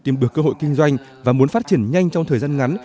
tìm được cơ hội kinh doanh và muốn phát triển nhanh trong thời gian ngắn